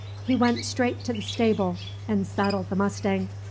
He went straight to the stable and saddled the mustang.